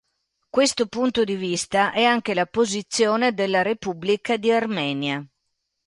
Questo punto di vista è anche la posizione della Repubblica di Armenia.